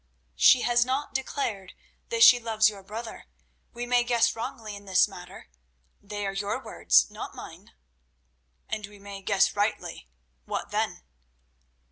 "She has not declared that she loves your brother; we may guess wrongly in this matter. They are your words—not mine." "And we may guess rightly. What then?"